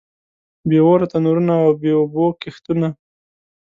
بې اوره تنورونه او بې اوبو کښتونه.